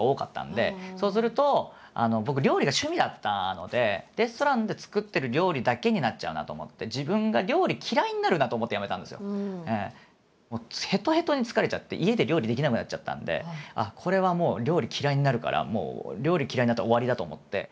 そうすると僕料理が趣味だったのでレストランで作ってる料理だけになっちゃうなあと思ってへとへとに疲れちゃって家で料理できなくなっちゃったんであっこれはもう料理嫌いになるからもう料理嫌いになったら終わりだと思って。